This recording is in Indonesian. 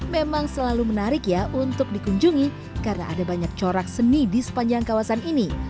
memang selalu menarik ya untuk dikunjungi karena ada banyak corak seni di sepanjang kawasan ini